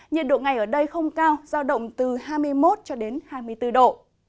nhiệt độ ngày ở đây không cao giao động từ hai mươi một cho đến hai mươi bốn độ